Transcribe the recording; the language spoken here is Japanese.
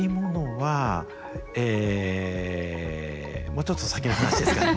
もうちょっと先の話ですかね。